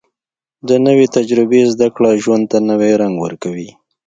د نوې تجربې زده کړه ژوند ته نوې رنګ ورکوي